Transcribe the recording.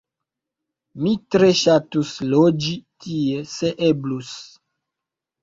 Mi tre ŝatus loĝi tie se eblus